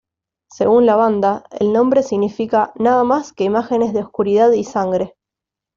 Según la banda, el nombre significa "nada más que imágenes de oscuridad y sangre".